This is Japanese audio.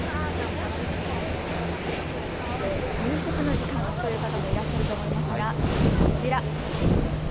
さて、夕食の時間という方もいらっしゃると思いますがこちら。